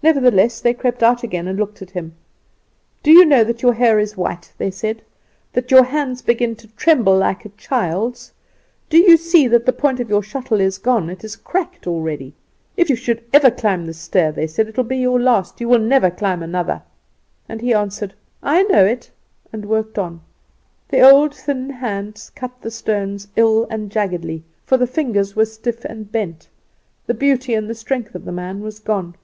"Nevertheless they crept out again and looked at him. "'Do you know that your hair is white?' they said, 'that your hands begin to tremble like a child's? Do you see that the point of your shuttle is gone? it is cracked already. If you should ever climb this stair,' they said, 'it will be your last. You will never climb another.' "And he answered, 'I know it!' and worked on. "The old, thin hands cut the stones ill and jaggedly, for the fingers were stiff and bent. The beauty and the strength of the man was gone.